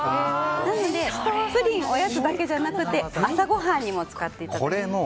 なので、おやつだけじゃなくて朝ごはんにも使っていただけます。